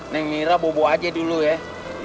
neng mirak bobo aja dulu ya